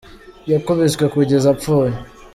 Yakubiswe kugeza apfuye